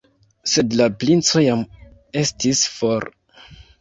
Sed la princo jam estis for.